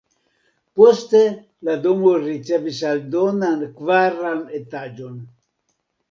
Poste la domo ricevis aldonan kvaran etaĝon.